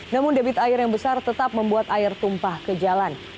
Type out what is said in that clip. namun debit air yang besar tetap membuat air tumpah ke jalan